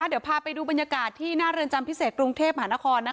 เดี๋ยวพาไปดูบรรยากาศที่หน้าเรือนจำพิเศษกรุงเทพหานคร